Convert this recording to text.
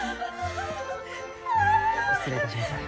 失礼いたします。